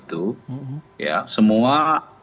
memang pada saat puncak haji dari arafah ke muzdalifah ini